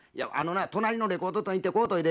隣のレコード店行って買うといで。